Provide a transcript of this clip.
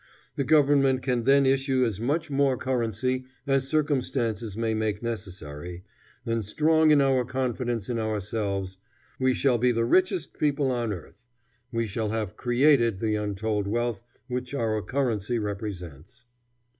The government can then issue as much more currency as circumstances may make necessary, and strong in our confidence in ourselves we shall be the richest people on earth; we shall have created the untold wealth which our currency represents.